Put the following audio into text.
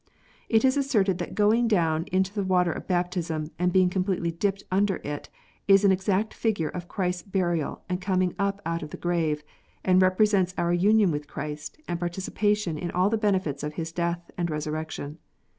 It is asserted that going down into the water of baptism, and being completely " dipped " under it, is an exact figure of Christ s burial and coming up out of the grave, and represents our union with Christ and participation in all the benefits of His death and resurrection.